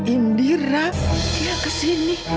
indira dia ke sini